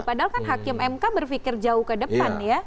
padahal kan hakim mk berpikir jauh ke depan ya